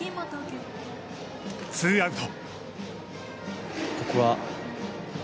ツーアウト。